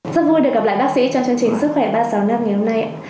rất vui được gặp lại bác sĩ trong chương trình sức khỏe ba sáu năm ngày hôm nay